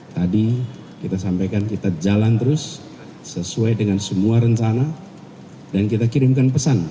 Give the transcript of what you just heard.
tadi kita sampaikan kita jalan terus sesuai dengan semua rencana dan kita kirimkan pesan